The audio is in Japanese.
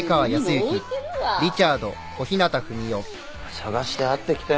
捜して会ってきたよ